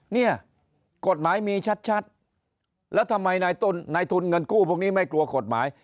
เนี่ยกฎหมายมีชัดแล้วทำไมนายต้นนายทุนเงินกู้พวกนี้ไม่กลัวกฎหมาย